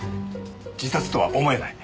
自殺とは思えない。